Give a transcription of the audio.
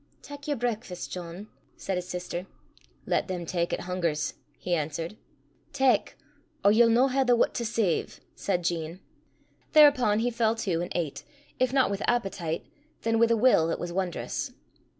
"Tak yer brakfast, John," said his sister. "Lat them tak 'at hungers," he answered. "Tak, or ye'll no hae the wut to save," said Jean. Thereupon he fell to, and ate, if not with appetite, then with a will that was wondrous.